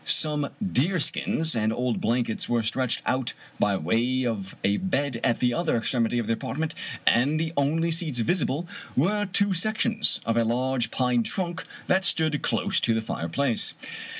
Some deerskins and old blankets were stretched out by way of a bed at the other extremity of the apartment, and the only seats visible were two sections of a large pine trunk that stood close to the fireplace.